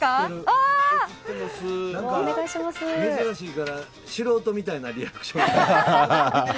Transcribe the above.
珍しいから素人みたいなリアクションに。